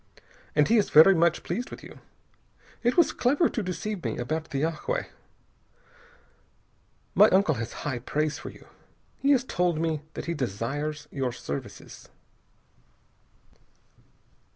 And he is very much pleased with you. It was clever to deceive me about the yagué. My uncle has high praise for you. He has told me that he desires your services."